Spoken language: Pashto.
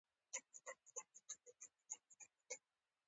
آیا پروګرامینګ زده کول ګټور دي؟